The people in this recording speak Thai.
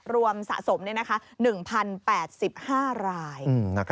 รวมสะสม๑๐๘๕ราย